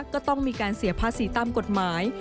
ก็ต้องมีการเสียภาษีตามกฎหมาย